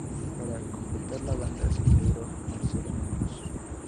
Para completar la banda se integró Marcelo Muñoz.